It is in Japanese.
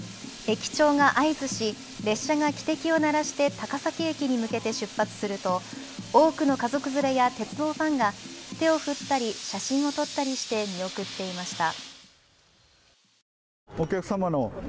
駅長が合図し列車が汽笛を鳴らして高崎駅に向けて出発すると多くの家族連れや鉄道ファンが手を振ったり写真を撮ったりして見送っていました。